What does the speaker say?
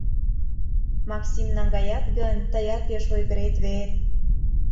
Максим наҥгаят гын, тыят пеш ойгырет вет...